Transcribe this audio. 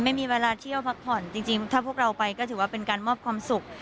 ไม่มีเวลาเที่ยวพักผ่อนจริงถ้าพวกเราไปก็ถือว่าเป็นการมอบความสุข